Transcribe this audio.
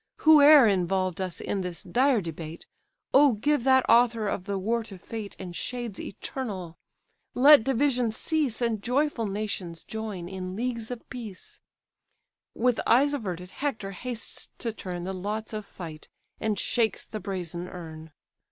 Whoe'er involved us in this dire debate, O give that author of the war to fate And shades eternal! let division cease, And joyful nations join in leagues of peace." With eyes averted Hector hastes to turn The lots of fight and shakes the brazen urn.